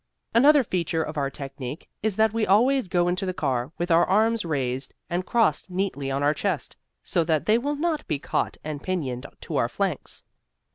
Another feature of our technique is that we always go into the car with our arms raised and crossed neatly on our chest, so that they will not be caught and pinioned to our flanks.